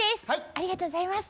ありがとうございます。